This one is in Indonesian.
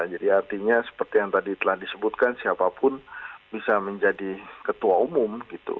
jadi artinya seperti yang tadi telah disebutkan siapapun bisa menjadi ketua umum